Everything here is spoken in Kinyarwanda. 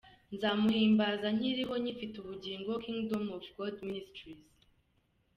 'Nzamuhimbaza nkiriho nkifite ubugingo'-Kingdom of God Ministries.